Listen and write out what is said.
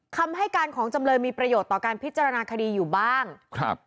คำให้การของจำเลยมีประโยชน์ต่อการพิจารณาคดีอยู่บ้างครับ